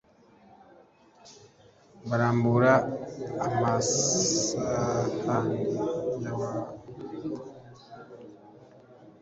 Barambura amasahani yabobatangira kurya